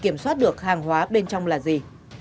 kiểm soát được hàng hóa bên trong là gì